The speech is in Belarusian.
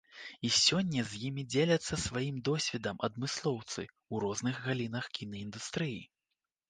І сёння з імі дзеляцца сваім досведам адмыслоўцы ў розных галінах кінаіндустрыі.